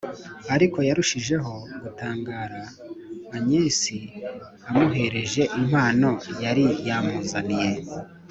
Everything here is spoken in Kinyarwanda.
Ariko yarushijeho gutangara Agnes amuhereje impano yari yamuzaniye